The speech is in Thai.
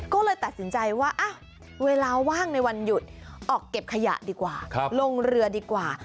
ก็เลยตัดสินใจว่าเวลาว่างในวันหยุดออกเก็บขยะดีกว่าลงเรือดีกว่า